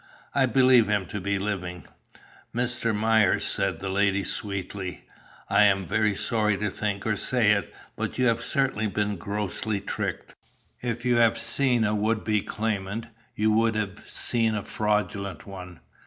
"I believe him to be living." "Mr. Myers," said the lady, sweetly, "I am very sorry to think or say it, but you have certainly been grossly tricked! If you have seen a would be claimant, you have seen a fraudulent one.